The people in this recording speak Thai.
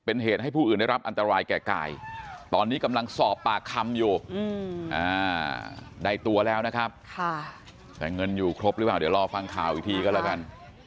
ออกปากคำอยู่ได้ตัวแล้วนะครับแต่เงินอยู่ครบหรือเปล่าเดี๋ยวรอฟังข่าวอีกทีก็แล้วกัน